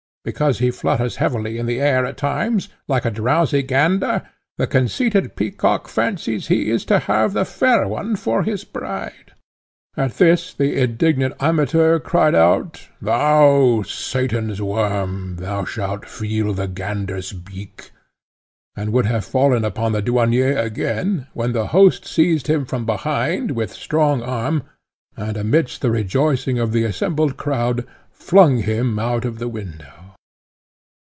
Because he flutters heavily in the air at times, like a drowsy gander, the conceited peacock fancies he is to have the fair one for his bride." At this the indignant Amateur cried out, "thou, Satan's worm, thou shalt feel the gander's beak," and would have fallen upon the Douanier again, when the host seized him from behind, with strong arm, and, amidst the rejoicing of the assembled crowd, flung him out of the window.